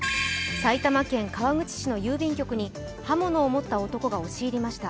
埼玉県川口市の郵便局に刃物を持った男が押し入りました。